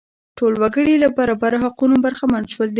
ټول وګړي له برابرو حقونو برخمن شول.